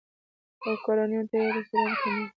اوکرانیانو ته یې د سوريانو ګمان وکړ.